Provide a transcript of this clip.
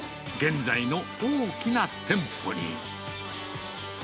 現在の大きな店舗に。